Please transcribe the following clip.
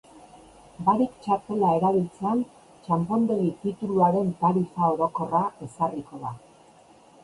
Barik txartela erabiltzean txanpondegi-tituluaren tarifa orokorra ezarriko da.